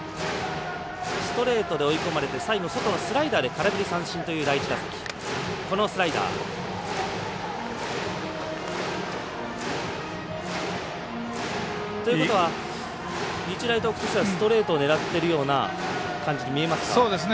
ストレートで追い込まれて最後、外のスライダーで空振り三振という第１打席。ということは、日大東北としてはストレートを狙っているような感じに見えますか。